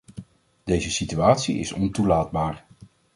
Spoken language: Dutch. Deze situatie is ontoelaatbaar.